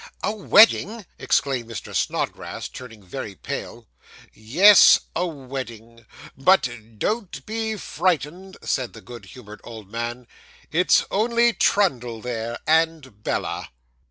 'A wedding!' exclaimed Mr. Snodgrass, turning very pale. 'Yes, a wedding. But don't be frightened,' said the good humoured old man; 'it's only Trundle there, and Bella.